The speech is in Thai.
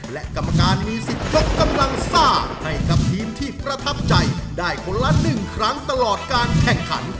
และกรรมการมีสิทธิ์ยกกำลังซ่าให้กับทีมที่ประทับใจได้คนละ๑ครั้งตลอดการแข่งขัน